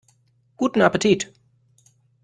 Guten Appetit!